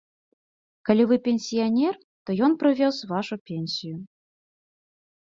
Калі вы пенсіянер, то ён прывёз вашу пенсію.